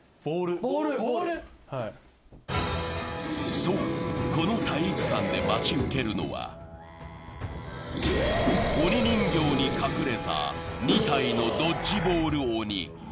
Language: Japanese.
そう、この体育館で待ち受けるのは鬼人形に隠れた２体のドッジボール鬼。